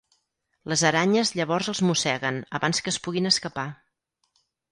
Les aranyes llavors els mosseguen abans que es puguin escapar.